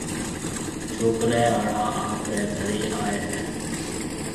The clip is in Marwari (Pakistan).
ڇوڪرَي آݪا آپرَي گھرَي آئيَ ھيََََ